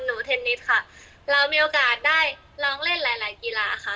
เทนนิสค่ะเรามีโอกาสได้ลองเล่นหลายหลายกีฬาค่ะ